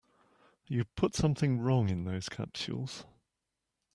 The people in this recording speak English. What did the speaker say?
You put something wrong in those capsules.